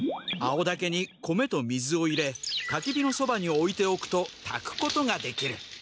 青竹に米と水を入れたき火のそばにおいておくとたくことができる。